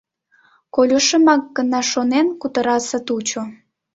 — Колюшымак гына шонен, кутыра сатучо.